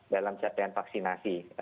dalam catatan vaksinasi